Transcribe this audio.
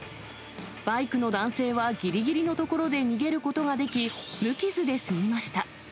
バイクの男性はぎりぎりのところで逃げることができ、無傷で済みました。